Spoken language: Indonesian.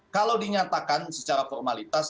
kalau dinyatakan secara formalitas